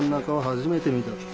初めて見たぜ。